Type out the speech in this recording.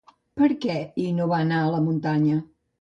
Per què Ino va anar a la muntanya?